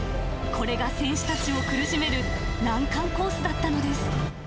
これが選手たちを苦しめる難関コースだったのです。